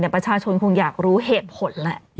ประชาชนคงอยากรู้เหตุผลแหละ